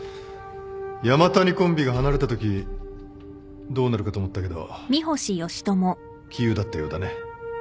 山谷コンビが離れたときどうなるかと思ったけど杞憂だったようだね。